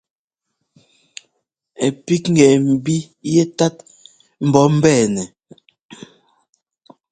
Ɛ píkŋɛ mbí yɛ́tát mbɔ́ mbɛɛnɛ.